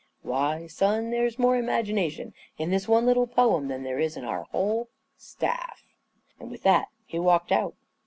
Why, son, there's more imagination in this one little poem than there is in our whole staff !" And with that he walked out.